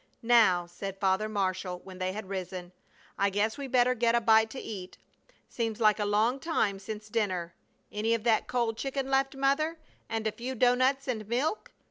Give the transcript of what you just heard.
"Now," said Father Marshall, when they had risen, "I guess we better get a bite to eat. Seems like a long time since dinner. Any of that cold chicken left, Mother? And a few doughnuts and milk?